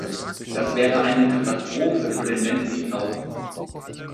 Das wäre eine Katastrophe für den ländlichen Raum.